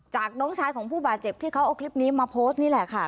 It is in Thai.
น้องชายของผู้บาดเจ็บที่เขาเอาคลิปนี้มาโพสต์นี่แหละค่ะ